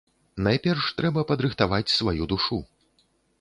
Найперш трэба падрыхтаваць сваю душу.